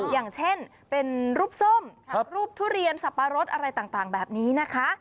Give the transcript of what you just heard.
อย่างเช่นเป็นรูปส้มรูปทุเรียนสับปะรดอะไรต่างแบบนี้นะคะ